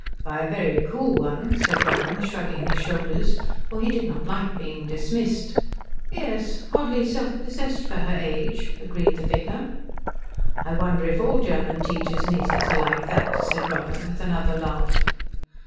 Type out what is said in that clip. "By a very cool one," said Robin, shrugging his shoulders, for he did not like being dismissed. "Yes oddly self possessed for her age," agreed the vicar. "I wonder if all German teacher's nieces are like that," said Robin with another laugh.